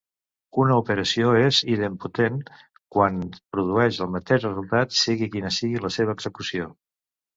Una operació és idempotent quan produeix el mateix resultat sigui quina sigui la seva execució.